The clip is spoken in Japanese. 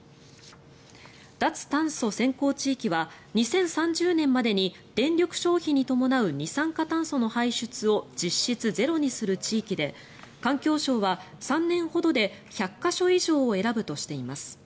脱炭素先行地域は２０３０年までに電力消費に伴う二酸化炭素の排出を実質ゼロにする地域で環境省は３年ほどで１００か所以上を選ぶとしています。